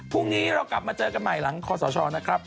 พรุ่งนี้เรากลับมาเจอกันใหม่หลังคอสชนะครับ